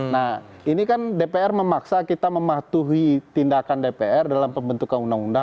nah ini kan dpr memaksa kita mematuhi tindakan dpr dalam pembentukan undang undang